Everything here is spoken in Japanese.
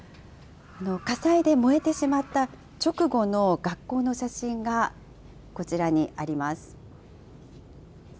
火災で燃えてしまった直後の学校の写真がこちらにあります。